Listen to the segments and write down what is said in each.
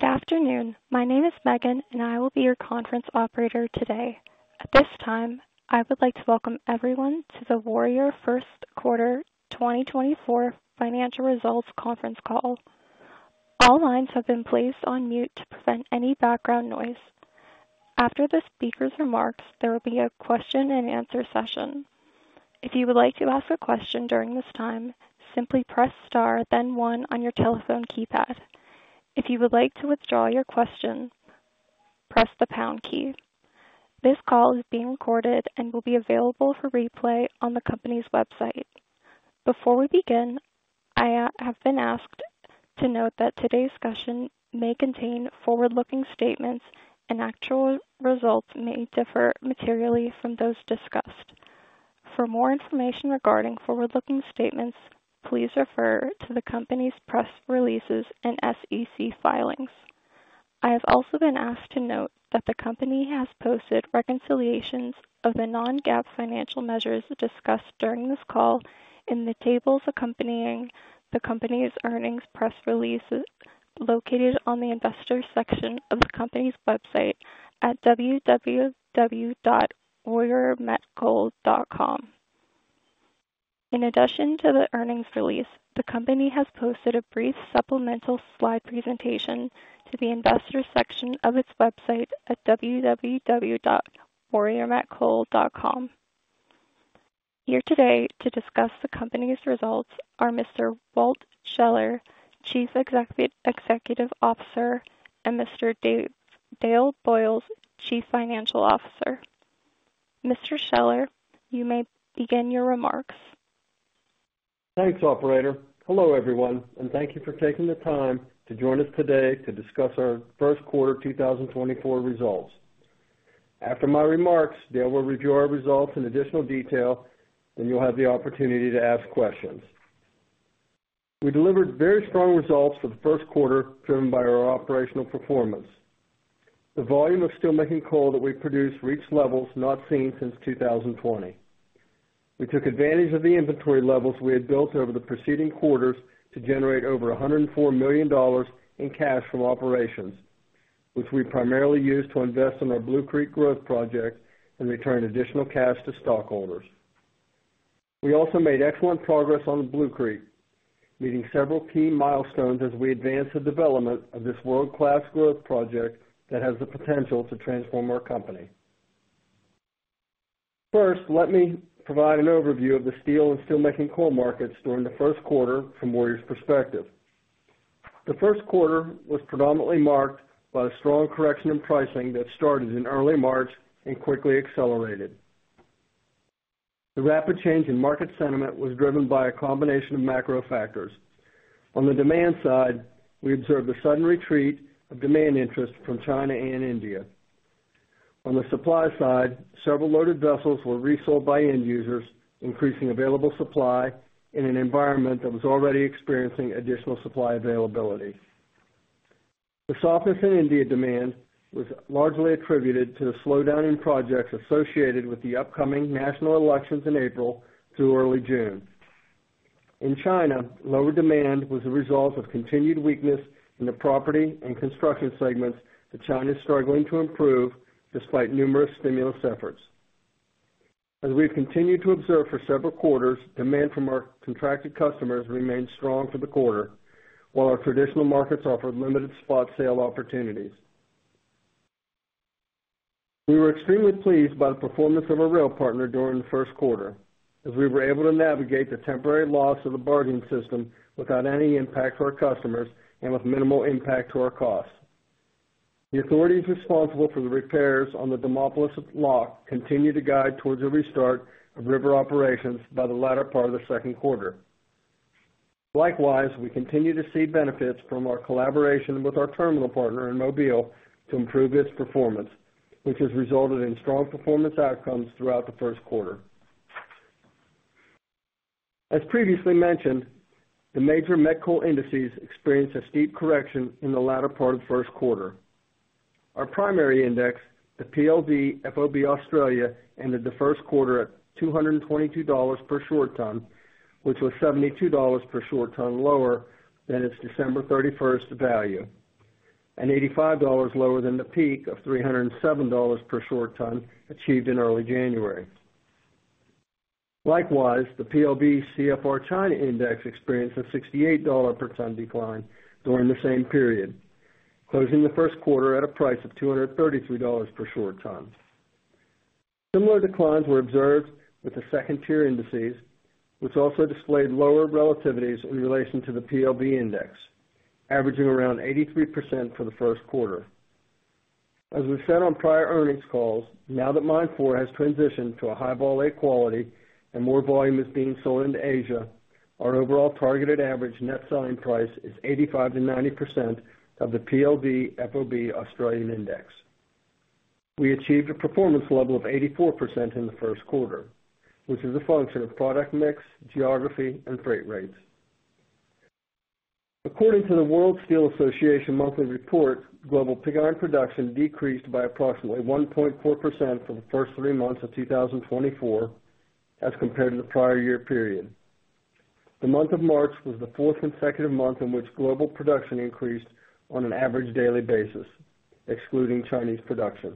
Good afternoon. My name is Megan, and I will be your conference operator today. At this time, I would like to welcome everyone to the Warrior First Quarter 2024 Financial Results Conference Call. All lines have been placed on mute to prevent any background noise. After the speaker's remarks, there will be a question-and-answer session. If you would like to ask a question during this time, simply press Star, then one on your telephone keypad. If you would like to withdraw your question, press the pound key. This call is being recorded and will be available for replay on the company's website. Before we begin, I have been asked to note that today's discussion may contain forward-looking statements, and actual results may differ materially from those discussed. For more information regarding forward-looking statements, please refer to the company's press releases and SEC filings. I have also been asked to note that the company has posted reconciliations of the non-GAAP financial measures discussed during this call in the tables accompanying the company's earnings press releases, located on the Investors section of the company's website at www.warriormetcoal.com. In addition to the earnings release, the company has posted a brief supplemental slide presentation to the Investors section of its website at www.warriormetcoal.com. Here today to discuss the company's results are Mr. Walt Scheller, Chief Executive Officer, and Mr. Dale Boyles, Chief Financial Officer. Mr. Scheller, you may begin your remarks. Thanks, operator. Hello, everyone, and thank you for taking the time to join us today to discuss our first quarter 2024 results. After my remarks, Dale will review our results in additional detail, and you'll have the opportunity to ask questions. We delivered very strong results for the first quarter, driven by our operational performance. The volume of steelmaking coal that we produced reached levels not seen since 2020. We took advantage of the inventory levels we had built over the preceding quarters to generate over $104 million in cash from operations, which we primarily used to invest in our Blue Creek growth project and return additional cash to stockholders. We also made excellent progress on Blue Creek, meeting several key milestones as we advance the development of this world-class growth project that has the potential to transform our company. First, let me provide an overview of the steel and steelmaking coal markets during the first quarter from Warrior's perspective. The first quarter was predominantly marked by a strong correction in pricing that started in early March and quickly accelerated. The rapid change in market sentiment was driven by a combination of macro factors. On the demand side, we observed a sudden retreat of demand interest from China and India. On the supply side, several loaded vessels were resold by end users, increasing available supply in an environment that was already experiencing additional supply availability. The softness in India demand was largely attributed to the slowdown in projects associated with the upcoming national elections in April through early June. In China, lower demand was a result of continued weakness in the property and construction segments that China is struggling to improve despite numerous stimulus efforts. As we've continued to observe for several quarters, demand from our contracted customers remained strong for the quarter, while our traditional markets offered limited spot sale opportunities. We were extremely pleased by the performance of our rail partner during the first quarter, as we were able to navigate the temporary loss of the barging system without any impact to our customers and with minimal impact to our costs. The authorities responsible for the repairs on the Demopolis Lock continue to guide towards the restart of river operations by the latter part of the second quarter. Likewise, we continue to see benefits from our collaboration with our terminal partner in Mobile to improve its performance, which has resulted in strong performance outcomes throughout the first quarter. As previously mentioned, the major met coal indices experienced a steep correction in the latter part of the first quarter. Our primary index, the PLV FOB Australia, ended the first quarter at $222 per short ton, which was $72 per short ton lower than its December thirty-first value, and $85 lower than the peak of $307 per short ton achieved in early January. Likewise, the PLV CFR China Index experienced a $68 per ton decline during the same period, closing the first quarter at a price of $233 per short ton. Similar declines were observed with the second-tier indices, which also displayed lower relativities in relation to the PLV index, averaging around 83% for the first quarter. As we've said on prior earnings calls, now that Mine 4 has transitioned to a High-Vol A quality and more volume is being sold into Asia, our overall targeted average net selling price is 85%-90% of the Platts Premium Low Vol FOB Australian Index. We achieved a performance level of 84% in the first quarter, which is a function of product mix, geography, and freight rates. According to the World Steel Association monthly report, global pig iron production decreased by approximately 1.4% for the first three months of 2024 as compared to the prior year period....The month of March was the fourth consecutive month in which global production increased on an average daily basis, excluding Chinese production.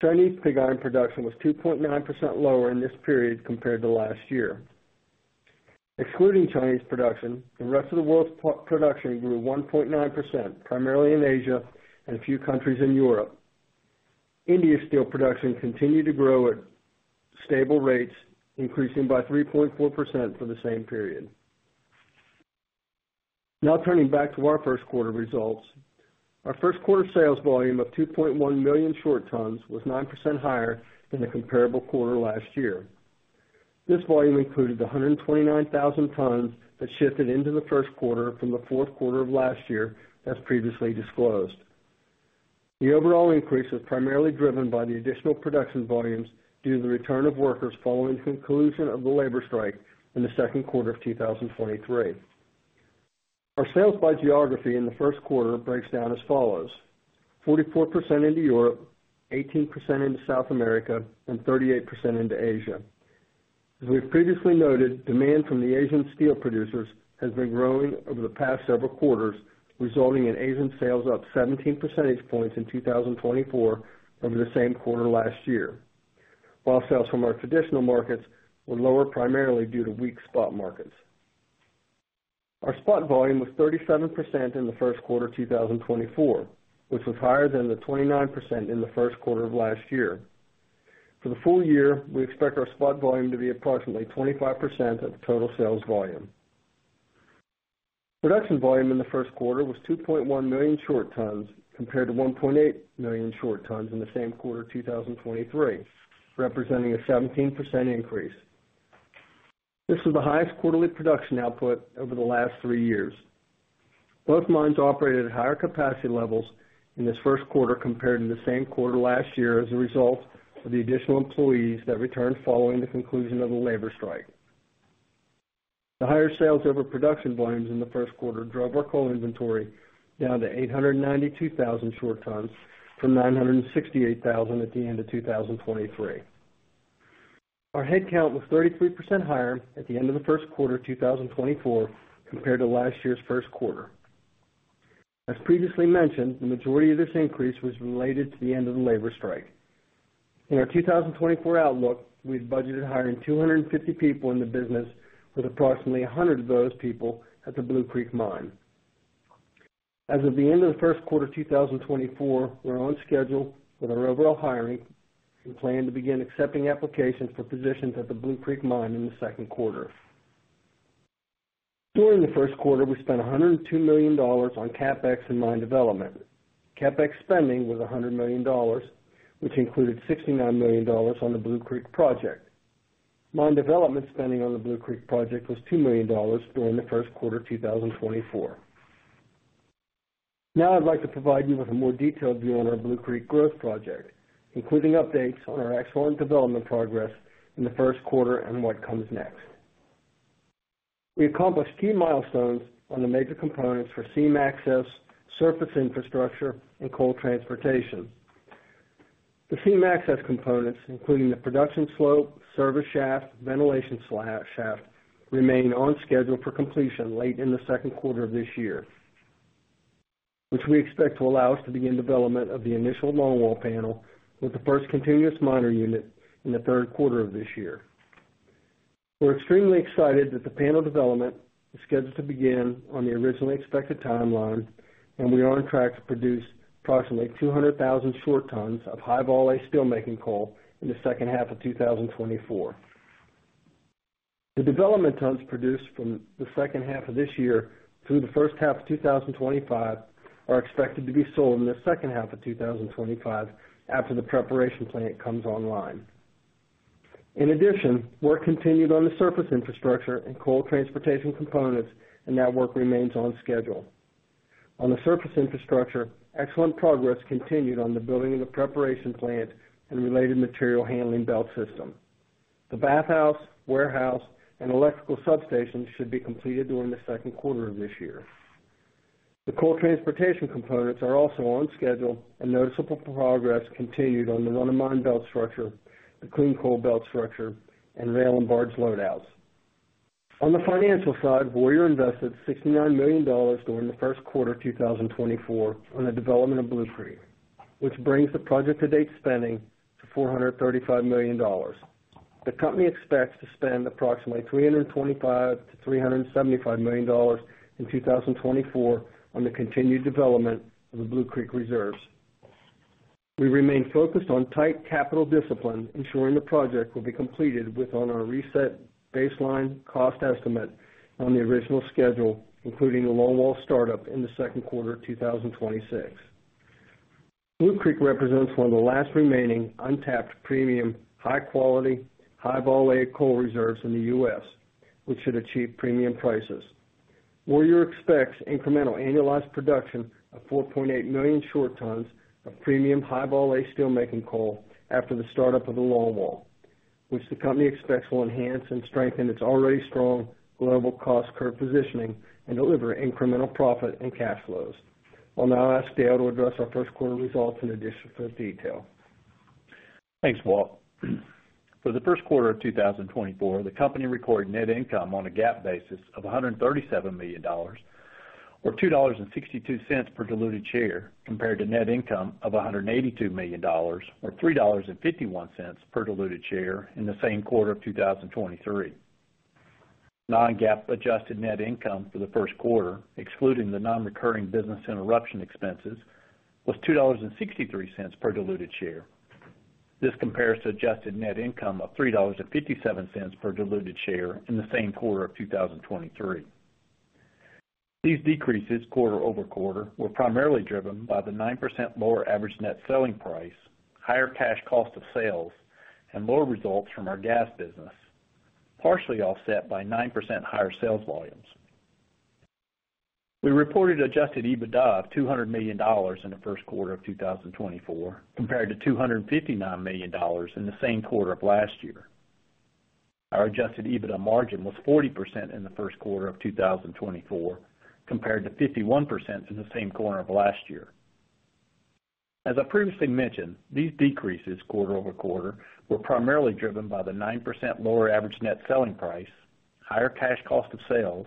Chinese pig iron production was 2.9% lower in this period compared to last year. Excluding Chinese production, the rest of the world's production grew 1.9%, primarily in Asia and a few countries in Europe. India steel production continued to grow at stable rates, increasing by 3.4% for the same period. Now turning back to our first quarter results. Our first quarter sales volume of 2.1 million short tons was 9% higher than the comparable quarter last year. This volume included the 129,000 tons that shifted into the first quarter from the fourth quarter of last year, as previously disclosed. The overall increase was primarily driven by the additional production volumes due to the return of workers following the conclusion of the labor strike in the second quarter of 2023. Our sales by geography in the first quarter breaks down as follows: 44% into Europe, 18% into South America, and 38% into Asia. As we've previously noted, demand from the Asian steel producers has been growing over the past several quarters, resulting in Asian sales up 17 percentage points in 2024 from the same quarter last year, while sales from our traditional markets were lower, primarily due to weak spot markets. Our spot volume was 37% in the first quarter 2024, which was higher than the 29% in the first quarter of last year. For the full year, we expect our spot volume to be approximately 25% of the total sales volume. Production volume in the first quarter was 2.1 million short tons, compared to 1.8 million short tons in the same quarter 2023, representing a 17% increase. This was the highest quarterly production output over the last three years. Both mines operated at higher capacity levels in this first quarter compared to the same quarter last year, as a result of the additional employees that returned following the conclusion of the labor strike. The higher sales over production volumes in the first quarter drove our coal inventory down to 892,000 short tons, from 968,000 at the end of 2023. Our headcount was 33% higher at the end of the first quarter 2024, compared to last year's first quarter. As previously mentioned, the majority of this increase was related to the end of the labor strike. In our 2024 outlook, we've budgeted hiring 250 people in the business, with approximately 100 of those people at the Blue Creek mine. As of the end of the first quarter 2024, we're on schedule with our overall hiring and plan to begin accepting applications for positions at the Blue Creek mine in the second quarter. During the first quarter, we spent $102 million on CapEx and mine development. CapEx spending was $100 million, which included $69 million on the Blue Creek project. Mine development spending on the Blue Creek project was $2 million during the first quarter of 2024. Now, I'd like to provide you with a more detailed view on our Blue Creek growth project, including updates on our excellent development progress in the first quarter and what comes next. We accomplished key milestones on the major components for seam access, surface infrastructure, and coal transportation. The seam access components, including the production slope, service shaft, ventilation shaft, remain on schedule for completion late in the second quarter of this year, which we expect to allow us to begin development of the initial longwall panel with the first continuous miner unit in the third quarter of this year. We're extremely excited that the panel development is scheduled to begin on the originally expected timeline, and we are on track to produce approximately 200,000 short tons of High-Vol A steelmaking coal in the second half of 2024. The development tons produced from the second half of this year through the first half of 2025 are expected to be sold in the second half of 2025 after the preparation plant comes online. In addition, work continued on the surface infrastructure and coal transportation components, and that work remains on schedule. On the surface infrastructure, excellent progress continued on the building of the preparation plant and related material handling belt system. The bathhouse, warehouse, and electrical substation should be completed during the second quarter of this year. The coal transportation components are also on schedule, and noticeable progress continued on the run-of-mine belt structure, the clean coal belt structure, and rail and barge loadouts. On the financial side, Warrior invested $69 million during the first quarter of 2024 on the development of Blue Creek, which brings the project to date spending to $435 million. The company expects to spend approximately $325 million-$375 million in 2024 on the continued development of the Blue Creek reserves. We remain focused on tight capital discipline, ensuring the project will be completed within our reset baseline cost estimate on the original schedule, including the longwall start-up in the second quarter of 2026. Blue Creek represents one of the last remaining untapped, premium, high-quality, High-Vol A coal reserves in the U.S., which should achieve premium prices. Warrior expects incremental annualized production of 4.8 million short tons of premium High-Vol A steelmaking coal after the start-up of the longwall, which the company expects will enhance and strengthen its already strong global cost curve positioning and deliver incremental profit and cash flows. I'll now ask Dale to address our first quarter results in additional detail.... Thanks, Walt. For the first quarter of 2024, the company recorded net income on a GAAP basis of $137 million or $2.62 per diluted share, compared to net income of $182 million or $3.51 per diluted share in the same quarter of 2023. Non-GAAP Adjusted Net Income for the first quarter, excluding the non-recurring business interruption expenses, was $2.63 per diluted share. This compares to adjusted net income of $3.57 per diluted share in the same quarter of 2023. These decreases QoQ were primarily driven by the 9% lower average net selling price, higher cash cost of sales, and lower results from our gas business, partially offset by 9% higher sales volumes. We reported Adjusted EBITDA of $200 million in the first quarter of 2024, compared to $259 million in the same quarter of last year. Our Adjusted EBITDA margin was 40% in the first quarter of 2024, compared to 51% in the same quarter of last year. As I previously mentioned, these decreases QoQ were primarily driven by the 9% lower average net selling price, higher cash cost of sales,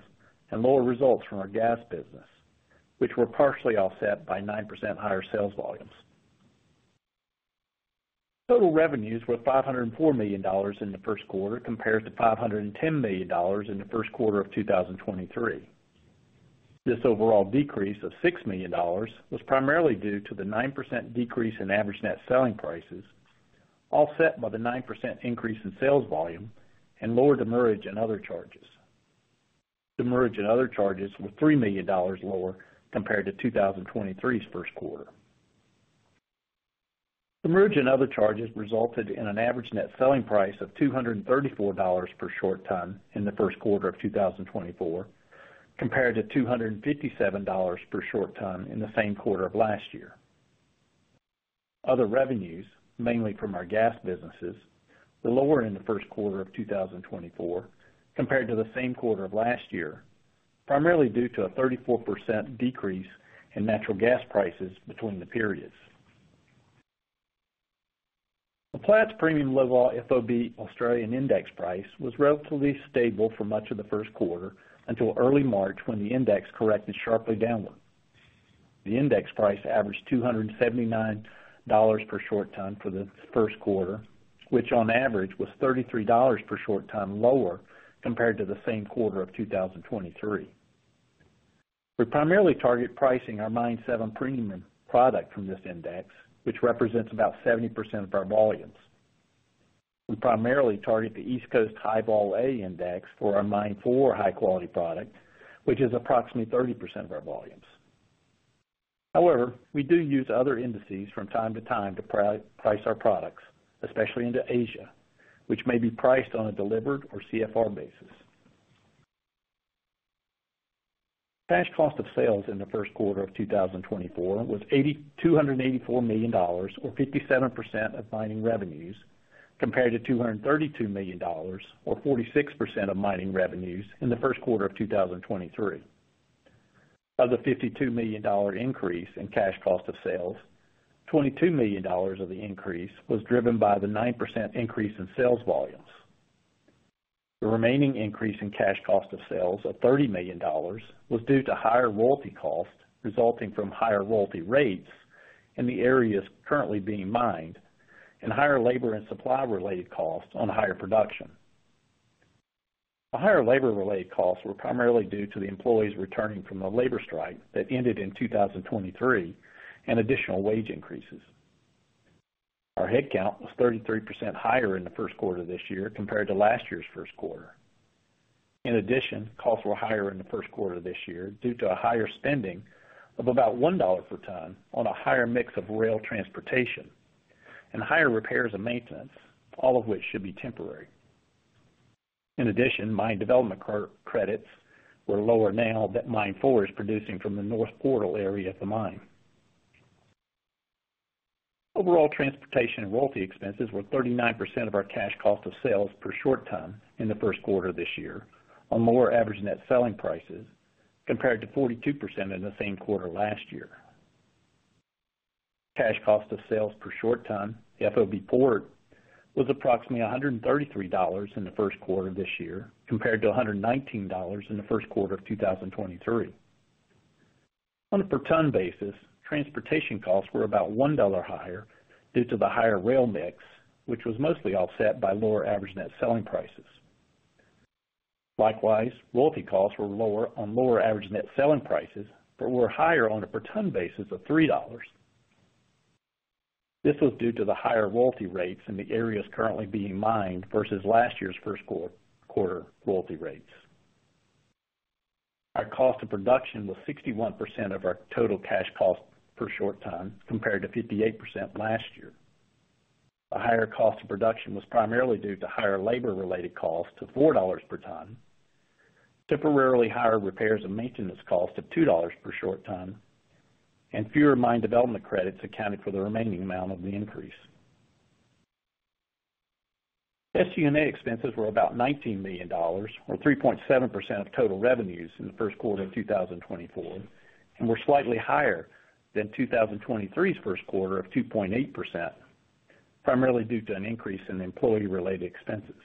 and lower results from our gas business, which were partially offset by 9% higher sales volumes. Total revenues were $504 million in the first quarter, compared to $510 million in the first quarter of 2023. This overall decrease of $6 million was primarily due to the 9% decrease in average net selling prices, offset by the 9% increase in sales volume and lower demurrage and other charges. Demurrage and other charges were $3 million lower compared to 2023's first quarter. Demurrage and other charges resulted in an average net selling price of $234 per short ton in the first quarter of 2024, compared to $257 per short ton in the same quarter of last year. Other revenues, mainly from our gas businesses, were lower in the first quarter of 2024 compared to the same quarter of last year, primarily due to a 34% decrease in natural gas prices between the periods. The Platts Premium Low Vol FOB Australian Index Price was relatively stable for much of the first quarter until early March, when the index corrected sharply downward. The index price averaged $279 per short ton for the first quarter, which on average was $33 per short ton lower compared to the same quarter of 2023. We primarily target pricing our Mine 7 premium product from this index, which represents about 70% of our volumes. We primarily target the East Coast High-Vol A index for our Mine 4 high-quality product, which is approximately 30% of our volumes. However, we do use other indices from time to time to price our products, especially into Asia, which may be priced on a delivered or CFR basis. Cash cost of sales in the first quarter of 2024 was $284 million, or 57% of mining revenues, compared to $232 million or 46% of mining revenues in the first quarter of 2023. Of the $52 million increase in cash cost of sales, $22 million of the increase was driven by the 9% increase in sales volumes. The remaining increase in cash cost of sales of $30 million was due to higher royalty costs, resulting from higher royalty rates in the areas currently being mined, and higher labor and supply-related costs on higher production. The higher labor-related costs were primarily due to the employees returning from the labor strike that ended in 2023, and additional wage increases. Our headcount was 33% higher in the first quarter of this year compared to last year's first quarter. In addition, costs were higher in the first quarter of this year due to higher spending of about $1 per ton on a higher mix of rail transportation and higher repairs and maintenance, all of which should be temporary. In addition, mine development carry credits were lower now that Mine 4 is producing from the north portal area of the mine. Overall, transportation and royalty expenses were 39% of our cash cost of sales per short ton in the first quarter of this year, on lower average net selling prices, compared to 42% in the same quarter last year. Cash cost of sales per short ton, the FOB port, was approximately $133 in the first quarter this year, compared to $119 in the first quarter of 2023. On a per ton basis, transportation costs were about $1 higher due to the higher rail mix, which was mostly offset by lower average net selling prices. Likewise, royalty costs were lower on lower average net selling prices, but were higher on a per ton basis of $3. This was due to the higher royalty rates in the areas currently being mined versus last year's first quarter royalty rates. Our cost of production was 61% of our total cash cost per short ton, compared to 58% last year. The higher cost of production was primarily due to higher labor-related costs to $4 per ton, temporarily higher repairs and maintenance costs of $2 per short ton, and fewer mine development credits accounted for the remaining amount of the increase. SG&A expenses were about $19 million or 3.7% of total revenues in the first quarter of 2024, and were slightly higher than 2023's first quarter of 2.8%, primarily due to an increase in employee-related expenses.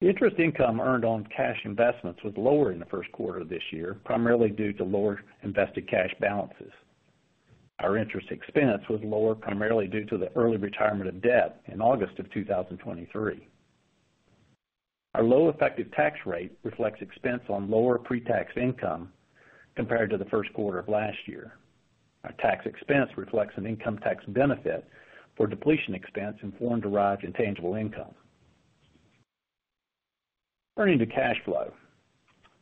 Interest income earned on cash investments was lower in the first quarter of this year, primarily due to lower invested cash balances. Our interest expense was lower, primarily due to the early retirement of debt in August of 2023. Our low effective tax rate reflects expense on lower pretax income compared to the first quarter of last year. Our tax expense reflects an income tax benefit for depletion expense and foreign-derived intangible income. Turning to cash flow.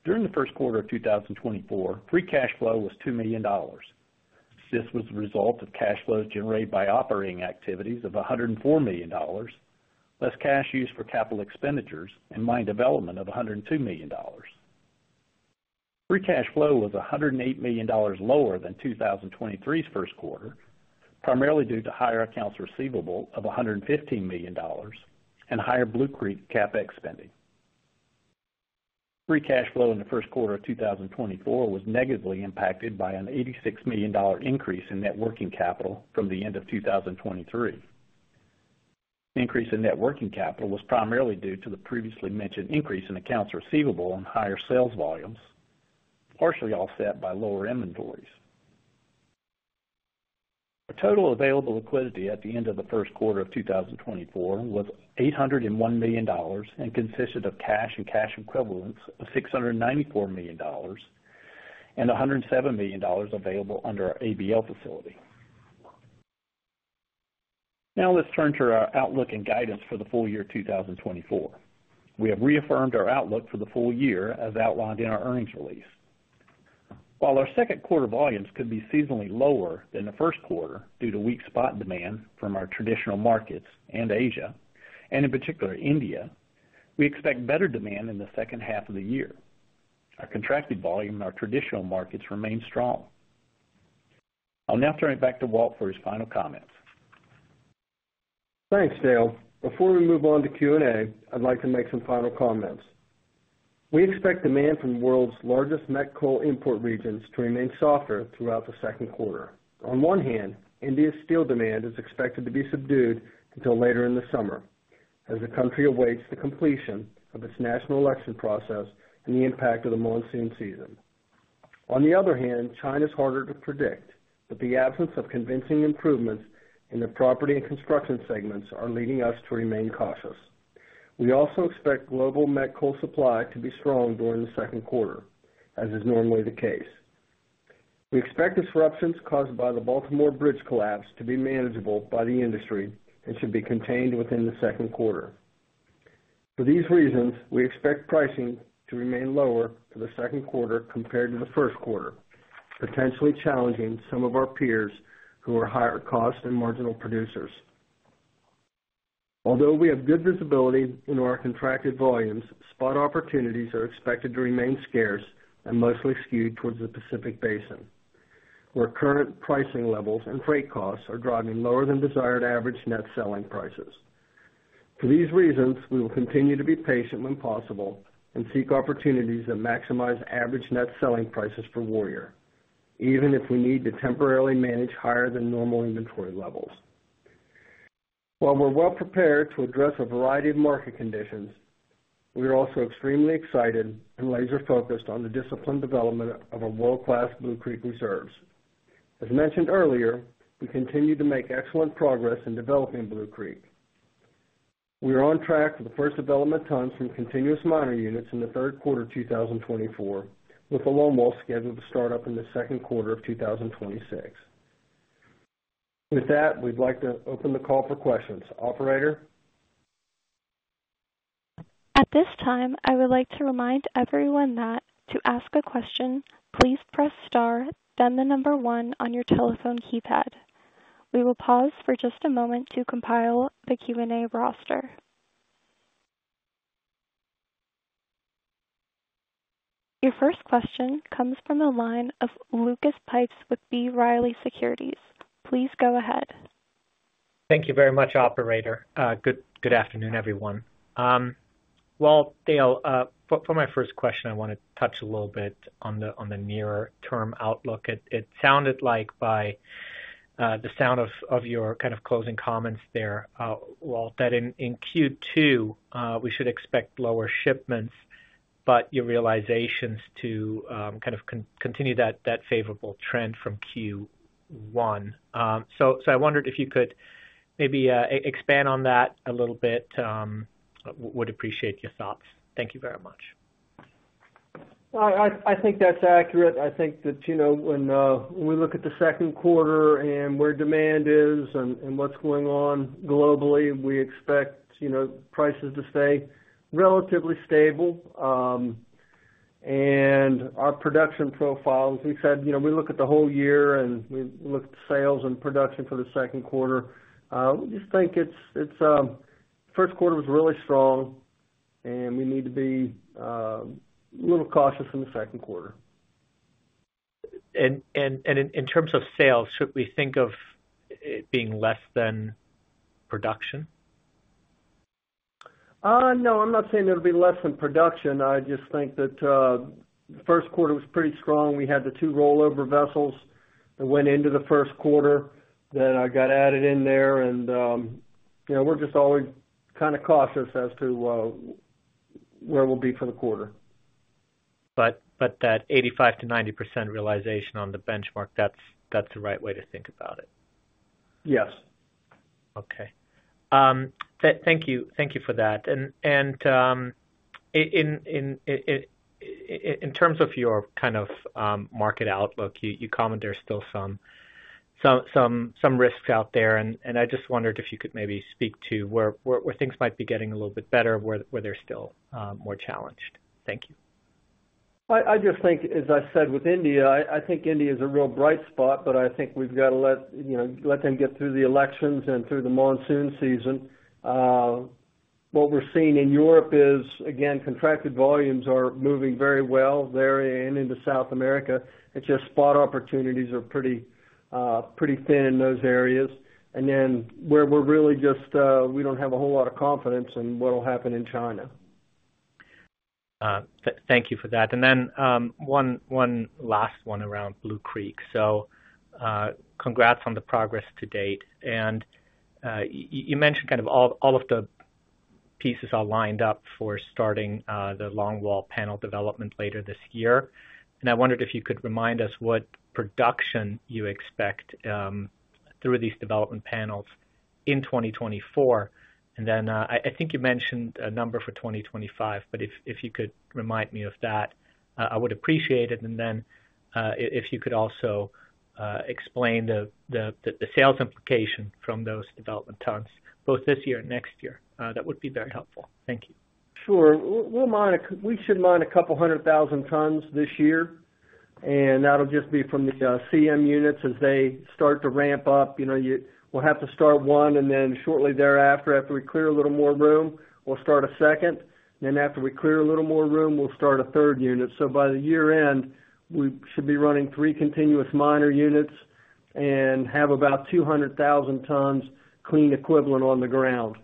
During the first quarter of 2024, free cash flow was $2 million. This was the result of cash flows generated by operating activities of $104 million, less cash used for capital expenditures and mine development of $102 million. Free cash flow was $108 million lower than 2023's first quarter, primarily due to higher accounts receivable of $115 million and higher Blue Creek CapEx spending. Free cash flow in the first quarter of 2024 was negatively impacted by an $86 million dollar increase in net working capital from the end of 2023. Increase in net working capital was primarily due to the previously mentioned increase in accounts receivable and higher sales volumes, partially offset by lower inventories. Our total available liquidity at the end of the first quarter of 2024 was $801 million and consisted of cash and cash equivalents of $694 million, and $107 million available under our ABL Facility. Now, let's turn to our outlook and guidance for the full year 2024. We have reaffirmed our outlook for the full year, as outlined in our earnings release. While our second quarter volumes could be seasonally lower than the first quarter due to weak spot demand from our traditional markets and Asia, and in particular India, we expect better demand in the second half of the year. Our contracted volume in our traditional markets remains strong. I'll now turn it back to Walt for his final comments. Thanks, Dale. Before we move on to Q&A, I'd like to make some final comments. We expect demand from the world's largest met coal import regions to remain softer throughout the second quarter. On one hand, India's steel demand is expected to be subdued until later in the summer, as the country awaits the completion of its national election process and the impact of the monsoon season. On the other hand, China's harder to predict, but the absence of convincing improvements in the property and construction segments are leading us to remain cautious. We also expect global met coal supply to be strong during the second quarter, as is normally the case. We expect disruptions caused by the Baltimore bridge collapse to be manageable by the industry and should be contained within the second quarter. For these reasons, we expect pricing to remain lower for the second quarter compared to the first quarter, potentially challenging some of our peers who are higher cost and marginal producers. Although we have good visibility into our contracted volumes, spot opportunities are expected to remain scarce and mostly skewed towards the Pacific Basin, where current pricing levels and freight costs are driving lower than desired average net selling prices. For these reasons, we will continue to be patient when possible and seek opportunities that maximize average net selling prices for Warrior, even if we need to temporarily manage higher than normal inventory levels. While we're well prepared to address a variety of market conditions, we are also extremely excited and laser-focused on the disciplined development of our world-class Blue Creek reserves. As mentioned earlier, we continue to make excellent progress in developing Blue Creek. We are on track for the first development tons from continuous mining units in the third quarter of 2024, with the longwall scheduled to start up in the second quarter of 2026. With that, we'd like to open the call for questions. Operator? At this time, I would like to remind everyone that to ask a question, please press star, then the number one on your telephone keypad. We will pause for just a moment to compile the Q&A roster. Your first question comes from the line of Lucas Pipes with B. Riley Securities. Please go ahead. Thank you very much, operator. Good afternoon, everyone. Well, Dale, for my first question, I want to touch a little bit on the nearer-term outlook. It sounded like by the sound of your kind of closing comments there, Walt, that in Q2 we should expect lower shipments, but your realizations to kind of continue that favorable trend from Q1. So I wondered if you could maybe expand on that a little bit. Would appreciate your thoughts. Thank you very much. I think that's accurate. I think that, you know, when, when we look at the second quarter and where demand is and, and what's going on globally, we expect, you know, prices to stay relatively stable. And our production profiles, we've said, you know, we look at the whole year, and we look at sales and production for the second quarter. We just think it's, it's... First quarter was really strong, and we need to be a little cautious in the second quarter.... in terms of sales, should we think of it being less than production? No, I'm not saying it'll be less than production. I just think that the first quarter was pretty strong. We had the two rollover vessels that went into the first quarter, that got added in there. And you know, we're just always kind of cautious as to where we'll be for the quarter. But that 85%-90% realization on the benchmark, that's the right way to think about it? Yes. Okay. Thank you, thank you for that. In terms of your kind of market outlook, you comment there's still some risks out there. I just wondered if you could maybe speak to where things might be getting a little bit better, where they're still more challenged. Thank you. I just think, as I said, with India, I think India is a real bright spot, but I think we've got to let, you know, let them get through the elections and through the monsoon season. What we're seeing in Europe is, again, contracted volumes are moving very well there and into South America. It's just spot opportunities are pretty, pretty thin in those areas. And then where we're really just we don't have a whole lot of confidence in what'll happen in China. Thank you for that. And then, one last one around Blue Creek. So, congrats on the progress to date. And, you mentioned kind of all of the pieces are lined up for starting the longwall panel development later this year. And I wondered if you could remind us what production you expect through these development panels in 2024. And then, I think you mentioned a number for 2025, but if you could remind me of that, I would appreciate it. And then, if you could also explain the sales implication from those development tons, both this year and next year, that would be very helpful. Thank you. Sure. We'll mine a couple hundred thousand tons this year, and that'll just be from the CM units as they start to ramp up. You know, we'll have to start one, and then shortly thereafter, after we clear a little more room, we'll start a second. Then after we clear a little more room, we'll start a third unit. So by the year end, we should be running three continuous miner units and have about 200,000 tons clean equivalent on the ground.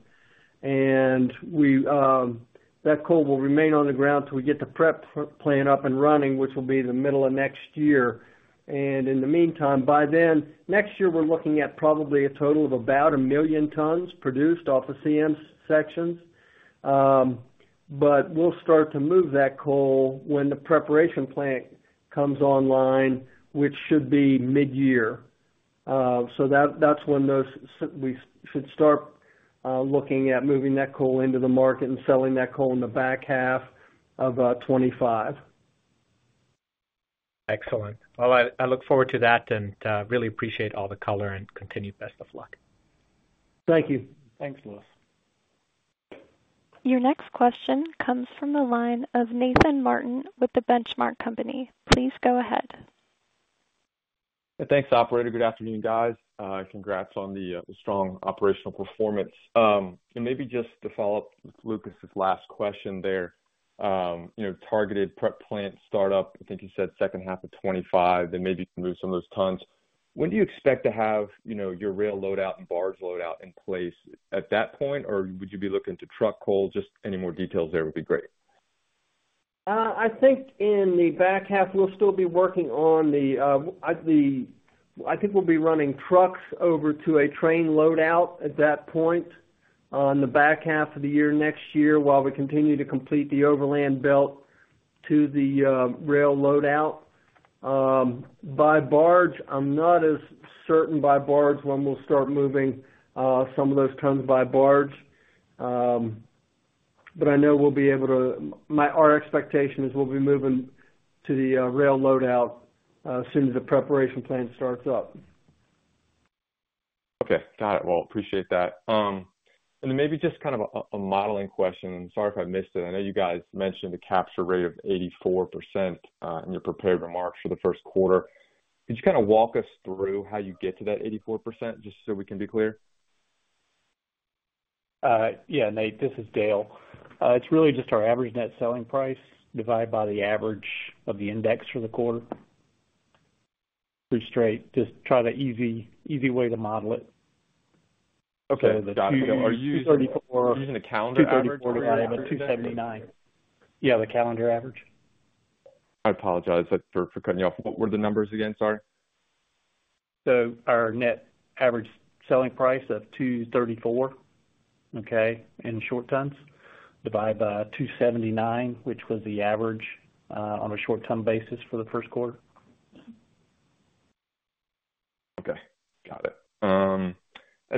And that coal will remain on the ground till we get the prep plant up and running, which will be the middle of next year. And in the meantime, by then, next year, we're looking at probably a total of about 1,000,000 tons produced off the CM sections. But we'll start to move that coal when the preparation plant comes online, which should be mid-year. So that's when we should start looking at moving that coal into the market and selling that coal in the back half of 2025. Excellent. Well, I look forward to that and really appreciate all the color and continued best of luck. Thank you. Thanks, Lucas. Your next question comes from the line of Nathan Martin with The Benchmark Company. Please go ahead. Thanks, operator. Good afternoon, guys. Congrats on the strong operational performance. Maybe just to follow up with Lucas's last question there, you know, targeted prep plant startup. I think you said second half of 2025, then maybe you can move some of those tons. When do you expect to have, you know, your rail load out and barge load out in place at that point? Or would you be looking to truck coal? Just any more details there would be great. I think in the back half, we'll still be working on the... I think we'll be running trucks over to a train load out at that point on the back half of the year, next year, while we continue to complete the overland belt to the rail load out. By barge, I'm not as certain by barge when we'll start moving some of those tons by barge. But I know we'll be able to—our expectation is we'll be moving to the rail load out as soon as the preparation plan starts up. Okay. Got it. Well, appreciate that. And then maybe just kind of a modeling question. Sorry if I missed it. I know you guys mentioned a capture rate of 84% in your prepared remarks for the first quarter. Could you kind of walk us through how you get to that 84%, just so we can be clear? Yeah, Nathan, this is Dale. It's really just our average net selling price, divided by the average of the index for the quarter. Pretty straight. Just try the easy, easy way to model it. Okay. So the 234- Are you using the calendar average? 234 divided by 279. Yeah, the calendar average. I apologize for cutting you off. What were the numbers again? Sorry. So our net average selling price of $234, okay, in short tons, divided by $279, which was the average, on a short ton basis for the first quarter. Okay. Got it.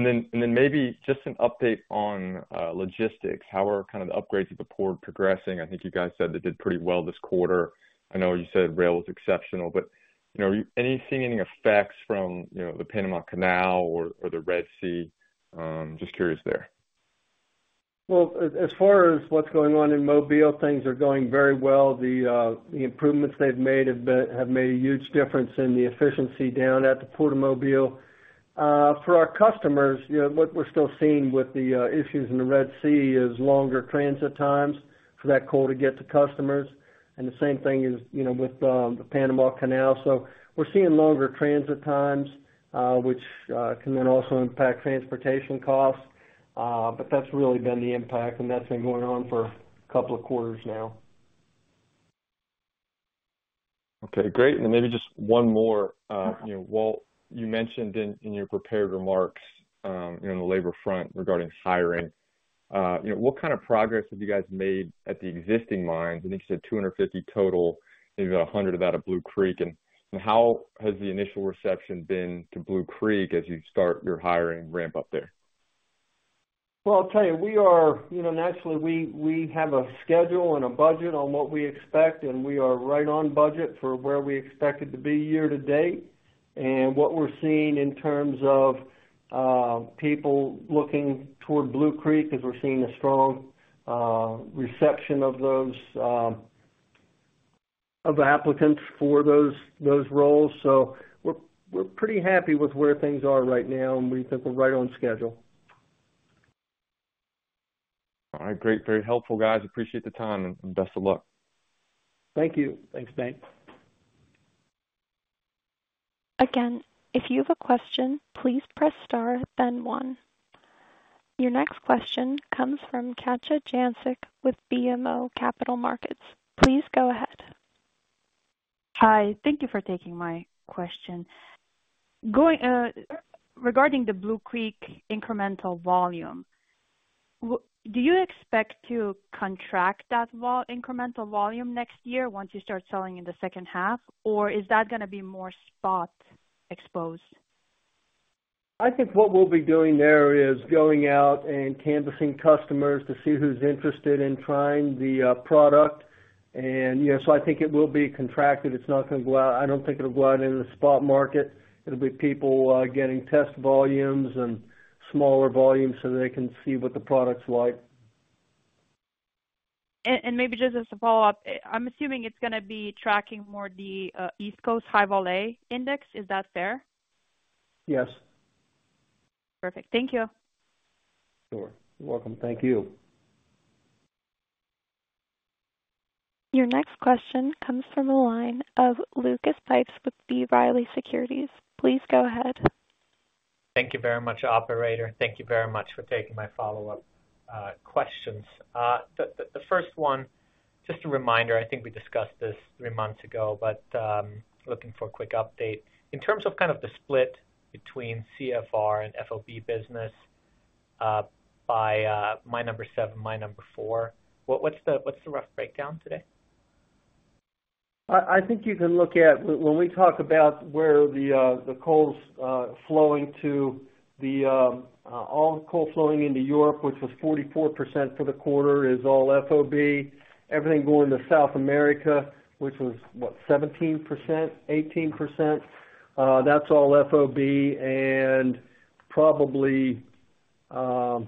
And then maybe just an update on logistics. How are kind of the upgrades at the port progressing? I think you guys said they did pretty well this quarter. I know you said rail was exceptional, but, you know, are you seeing any effects from, you know, the Panama Canal or the Red Sea? Just curious there. Well, as far as what's going on in Mobile, things are going very well. The improvements they've made have made a huge difference in the efficiency down at the Port of Mobile. For our customers, you know, what we're still seeing with the issues in the Red Sea is longer transit times for that coal to get to customers, and the same thing is, you know, with the Panama Canal. So we're seeing longer transit times, which can then also impact transportation costs. But that's really been the impact, and that's been going on for a couple of quarters now. Okay, great. And then maybe just one more. You know, Walt, you mentioned in your prepared remarks on the labor front regarding hiring. You know, what kind of progress have you guys made at the existing mines? I think you said 250 total, maybe about 100 out of Blue Creek. And how has the initial reception been to Blue Creek as you start your hiring ramp up there? Well, I'll tell you, we are, you know, naturally, we have a schedule and a budget on what we expect, and we are right on budget for where we expected to be year to date. What we're seeing in terms of people looking toward Blue Creek is we're seeing a strong reception of those applicants for those roles. So we're pretty happy with where things are right now, and we think we're right on schedule. All right, great. Very helpful, guys. Appreciate the time, and best of luck. Thank you. Thanks, Nathan. Again, if you have a question, please press Star, then one. Your next question comes from Katja Jancic with BMO Capital Markets. Please go ahead. Hi. Thank you for taking my question. Regarding the Blue Creek incremental volume, do you expect to contract that incremental volume next year once you start selling in the second half? Or is that gonna be more spot exposed? I think what we'll be doing there is going out and canvassing customers to see who's interested in trying the product. And, yes, so I think it will be contracted. It's not gonna go out. I don't think it'll go out into the spot market. It'll be people getting test volumes and smaller volumes so they can see what the product's like. And maybe just as a follow-up, I'm assuming it's gonna be tracking more the East Coast High-Vol Index. Is that fair? Yes. Perfect. Thank you. Sure. You're welcome. Thank you. Your next question comes from the line of Lucas Pipes with B. Riley Securities. Please go ahead. Thank you very much, operator. Thank you very much for taking my follow-up questions. The first one, just a reminder, I think we discussed this three months ago, but looking for a quick update. In terms of kind of the split between CFR and FOB business, by Mine 7, Mine 4, what's the rough breakdown today? I think you can look at when we talk about where the coals flowing to the all the coal flowing into Europe, which was 44% for the quarter, is all FOB. Everything going to South America, which was, what? 17%, 18%, that's all FOB, and probably a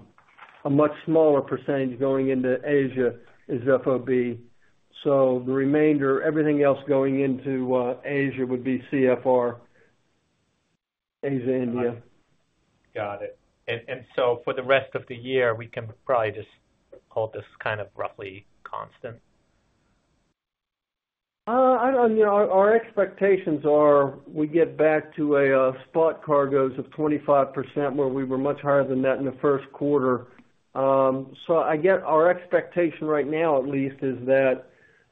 much smaller percentage going into Asia is FOB. So the remainder, everything else going into Asia would be CFR. Asia, India. Got it. And so for the rest of the year, we can probably just call this kind of roughly constant? I don't know. Our expectations are we get back to a spot cargoes of 25%, where we were much higher than that in the first quarter. So I get our expectation right now, at least, is that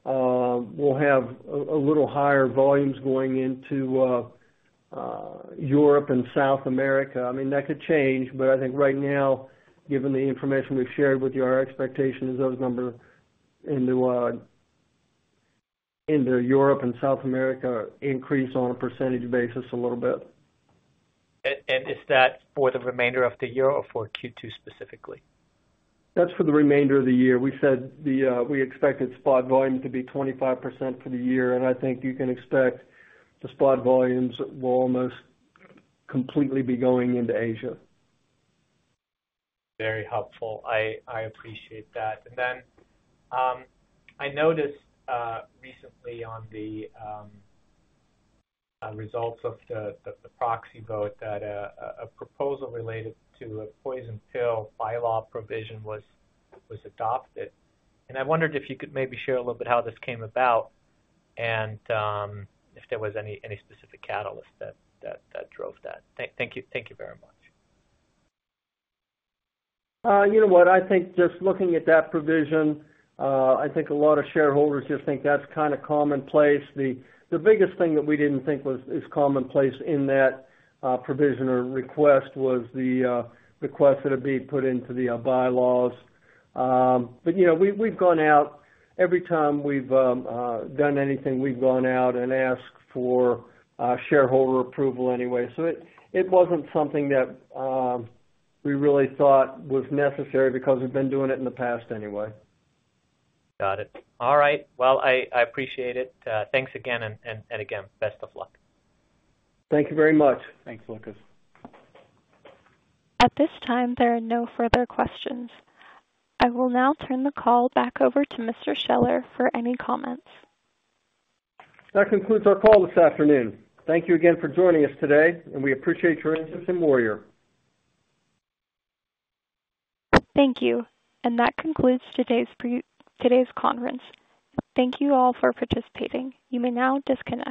we'll have a little higher volumes going into Europe and South America. I mean, that could change, but I think right now, given the information we've shared with you, our expectation is those numbers into Europe and South America increase on a percentage basis a little bit. Is that for the remainder of the year or for Q2 specifically? That's for the remainder of the year. We said the, we expected spot volume to be 25% for the year, and I think you can expect the spot volumes will almost completely be going into Asia. Very helpful. I appreciate that. And then, I noticed recently on the results of the proxy vote, that a proposal related to a poison pill bylaw provision was adopted. And I wondered if you could maybe share a little bit how this came about and, if there was any specific catalyst that drove that? Thank you. Thank you very much. You know what? I think just looking at that provision, I think a lot of shareholders just think that's kind of commonplace. The biggest thing that we didn't think was commonplace in that provision or request was the request that it be put into the bylaws. But you know, we've gone out every time we've done anything, we've gone out and asked for shareholder approval anyway. So it wasn't something that we really thought was necessary because we've been doing it in the past anyway. Got it. All right. Well, I appreciate it. Thanks again, and again, best of luck. Thank you very much. Thanks, Lucas. At this time, there are no further questions. I will now turn the call back over to Mr. Scheller for any comments. That concludes our call this afternoon. Thank you again for joining us today, and we appreciate your interest in Warrior. Thank you. That concludes today's conference. Thank you all for participating. You may now disconnect.